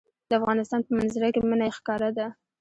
د افغانستان په منظره کې منی ښکاره ده.